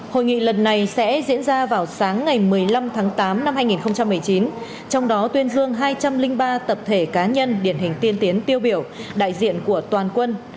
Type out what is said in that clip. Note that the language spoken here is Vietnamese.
hội nghị lần này sẽ diễn ra vào sáng ngày một mươi năm tháng tám năm hai nghìn một mươi chín trong đó tuyên dương hai trăm linh ba tập thể cá nhân điển hình tiên tiến tiêu biểu đại diện của toàn quân